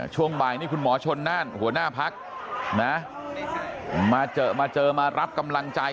ช่วงบ่ายนี่คุณหมอชนน่านหัวหน้าพักนะมาเจอมาเจอมารับกำลังใจ